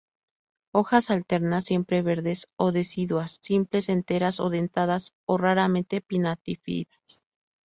Hojas alternas, siempreverdes o deciduas, simples, enteras o dentadas o raramente pinnatífidas.